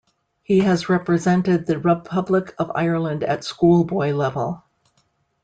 He has represented the Republic of Ireland at schoolboy level.